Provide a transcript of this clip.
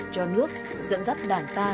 cho nước dẫn dắt đảng ta